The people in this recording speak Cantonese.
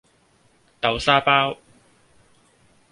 豆沙包